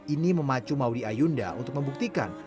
ini memacu mauri ayunda untuk membuktikan